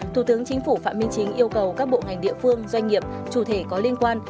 thủ tướng chính phủ phạm minh chính yêu cầu các bộ ngành địa phương doanh nghiệp chủ thể có liên quan